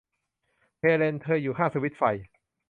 เฮเลน เธออยู่ข้างสวิตช์ไฟ